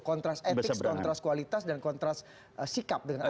kontras etis kontras kualitas dan kontras sikap dengan ahok